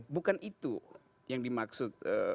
bukan itu yang dimaksud